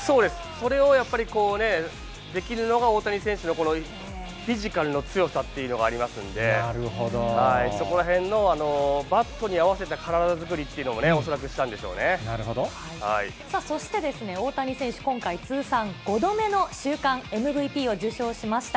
それをやっぱり、できるのが大谷選手のフィジカルの強さっていうのがありますんで、そこらへんのバットに合わせた体作りというのも、恐らくしたんでさあそして、大谷選手、今回、通算５度目の週間ＭＶＰを受賞しました。